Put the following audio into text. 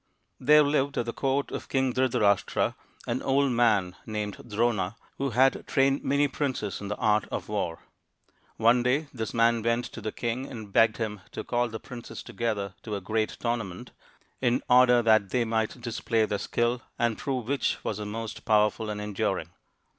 There lived at the court of King Dhrita rashtra an old man named Drona^ who had trained many princes in the art of war. One day this man went to the king and begged him to call the princes together to a great tournament, in order that they might display their skill and prove which was the most powerful and enduring.